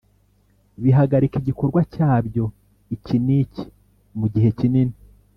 bihagarika igikorwa cyabyo iki n iki mu gihe kinini